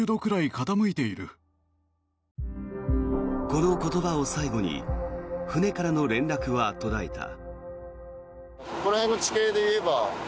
この言葉を最後に船からの連絡は途絶えた。